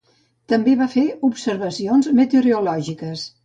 També va fer observacions meteorològiques.